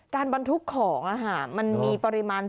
การบันทึกของอ่ะฮะมันมีปริมาณจำกัดอยู่